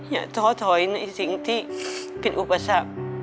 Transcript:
ท้อถอยในสิ่งที่เป็นอุปสรรค